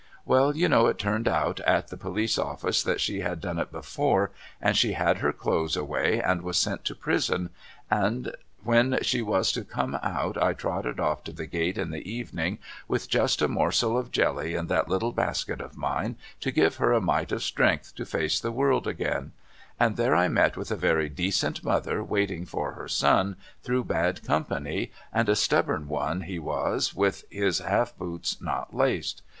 Well you know it turned out at the Police office that she had done it before, and she had her clothes away and was sent to prison, and when she was to come out I trotted off to the gate in the evening with just a morsel of jelly in that little basket of mine to give her a mite of strength to face the world again, and there I met with a very decent mother waiting for her son through bad company and a stubborn one he was with his half boots not laced.